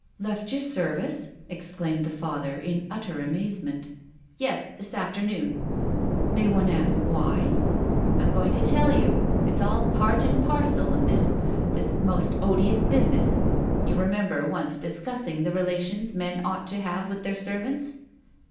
"Left your service!" exclaimed the Father in utter amazement. "Yes, this afternoon." " May one ask why ?"" I'm going to tell you. It's all part and parcel of this — this most odious business. You remember f)nce discussing the relations men ought to have with their servants?